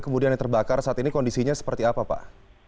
kemudian yang terbakar saat ini kondisinya seperti apa pak